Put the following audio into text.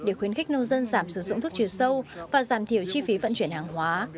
để khuyến khích nông dân giảm sử dụng thuốc trừ sâu và giảm thiểu chi phí vận chuyển hàng hóa